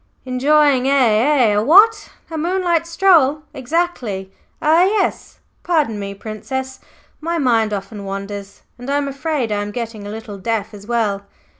"Enjoying er er a what? a moonlight stroll? Exactly er yes! Pardon me, Princess, my mind often wanders, and I am afraid I am getting a little deaf as well.